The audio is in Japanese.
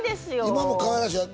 今もかわいらしいよ